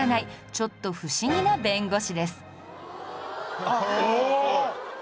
ちょっと不思議な弁護士です